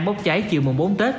bốc cháy chiều mùng bốn tết